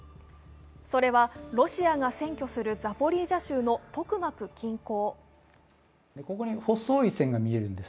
それは、ロシアが占拠するザポリージャ州のトクマク近郊。